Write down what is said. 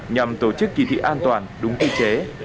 nhằm tổ chức kỳ thi an toàn đúng kỳ chế